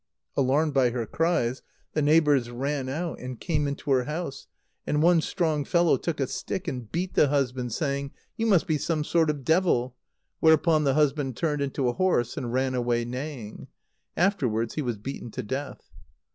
Alarmed by her cries, the neighbours ran out, and came into her house; and one strong fellow took a stick, and beat the husband, saying: "You must be some sort of devil," whereupon the husband turned into a horse, and ran away neighing. Afterwards he was beaten to death.